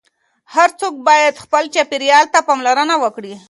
هر څوک باید خپل چاپیریال ته پاملرنه وکړي.